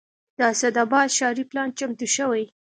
د اسداباد ښاري پلان چمتو شوی